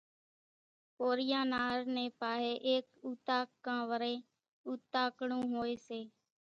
ڪورِيان نا هر نيَ پاۿيَ ايڪ اُوطاق ڪان وريَ اُوتاڪڙون هوئيَ سي۔